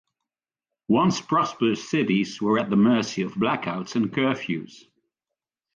Once-prosperous cities were at the mercy of blackouts and curfews.